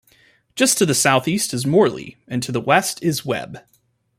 Just to the southeast is Morley, and to the west is Webb.